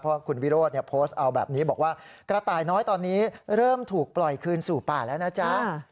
เพราะคุณวิโรธโพสต์เอาแบบนี้บอกว่ากระต่ายน้อยตอนนี้เริ่มถูกปล่อยคืนสู่ป่าแล้วนะจ๊ะ